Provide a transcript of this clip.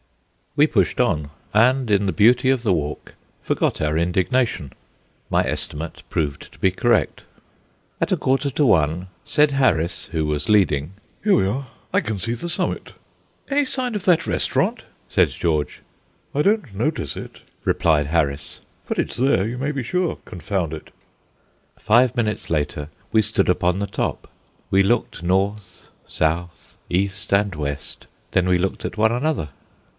We pushed on, and in the beauty of the walk forgot our indignation. My estimate proved to be correct. At a quarter to one, said Harris, who was leading: "Here we are; I can see the summit." "Any sign of that restaurant?" said George. "I don't notice it," replied Harris; "but it's there, you may be sure; confound it!" Five minutes later we stood upon the top. We looked north, south, east and west; then we looked at one another.